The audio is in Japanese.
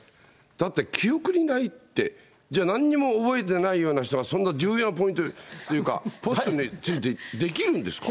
だって記憶にないって、じゃあなんにも覚えてないような人が、そんな重要なポイントに、ポストに就いてできるんですか。